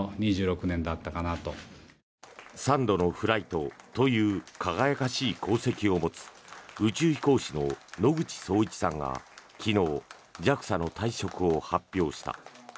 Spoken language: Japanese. ３度のフライトという輝かしい功績を持つ宇宙飛行士の野口聡一さんが昨日、ＪＡＸＡの退職を発表した。